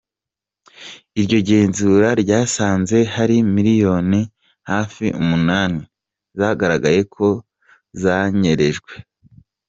Iryo genzura ryasanze hari miliyoni hafi umunani zagaragaye ko zanyerejwe.